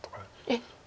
えっ！